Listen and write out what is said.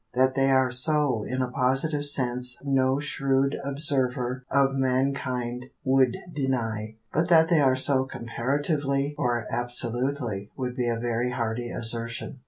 That they are so in a positive sense no shrewd observer of mankind would deny, but that they are so comparatively or absolutely would be a very hardy assertion.